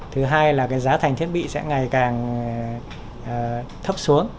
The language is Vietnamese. thứ hai là giá thành thiết bị sẽ ngày càng thấp xuống